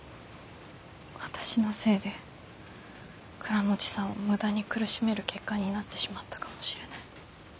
私のせいで倉持さんを無駄に苦しめる結果になってしまったかもしれない。